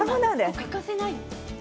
欠かせない。